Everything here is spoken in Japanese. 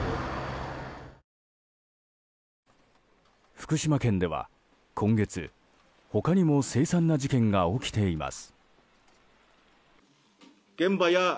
福島県では今月、他にも凄惨な事件が起きています。